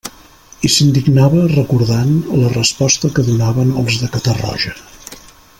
I s'indignava recordant la resposta que donaven els de Catarroja.